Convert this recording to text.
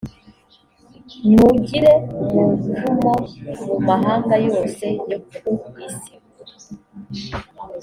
nywugire umuvumo mu mahanga yose yo ku isi